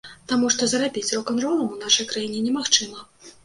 Таму што зарабіць рок-н-ролам у нашай краіне немагчыма.